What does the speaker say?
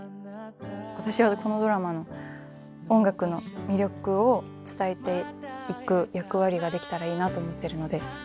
私はこのドラマの音楽の魅力を伝えていく役割ができたらいいなと思ってるので。